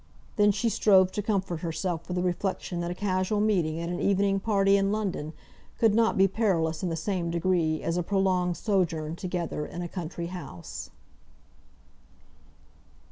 Then she strove to comfort herself with the reflection that a casual meeting at an evening party in London could not be perilous in the same degree as a prolonged sojourn together in a country house.